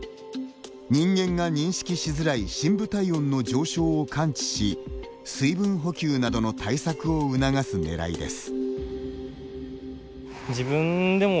人間が認識しづらい深部体温の上昇を関知し水分補給などの対策を促すねらいです。